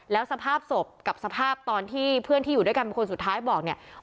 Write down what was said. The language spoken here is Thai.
แล้วสภาพศพกับสภาพตอนที่เพื่อนที่อยู่ด้วยกันเป็นคนสุดท้ายบอกเนี่ย